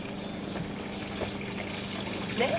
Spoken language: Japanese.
ねっ？